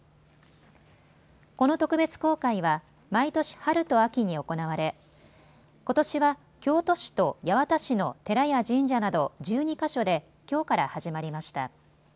この特別公開は毎年、春と秋に行われことしは京都市と八幡市の寺や神社など１２か所できょうから始まりました。